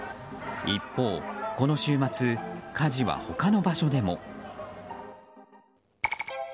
一方、この週末火事は他の場所でも。